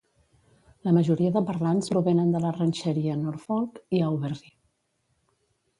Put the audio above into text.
La majoria de parlants provenen de la Ranxeria Northfolk i Auberry.